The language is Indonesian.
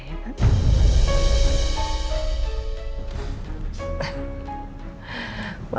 biarpun kalian udah bercerai